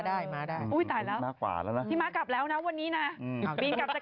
บีนกลับจากเกาหลีแล้วนะ